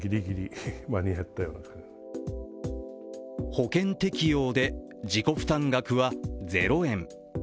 保険適用で自己負担額はゼロ円。